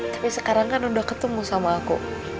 tapi sekarang kan udah ketemu sama aku